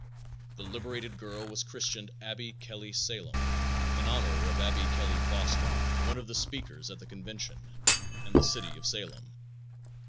The liberated girl was christened Abby Kelly Salem, in honor of Abby Kelly Foster, one of the speakers at the convention, and the city of Salem.